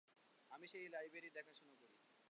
আমি সেই লাইব্রেরি দেখাশোনা করি।